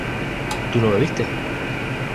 ¿tú no bebiste?